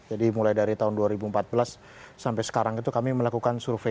jadi mulai dari tahun dua ribu empat belas sampai sekarang itu kami melakukan survei